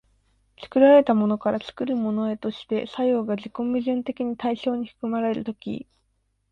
作られたものから作るものへとして作用が自己矛盾的に対象に含まれる時、